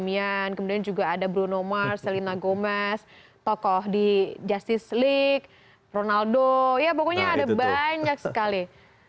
kemudian juga ada bruno mars selina gomez tokoh di justice league ronaldo ya pokoknya ada banyak sekali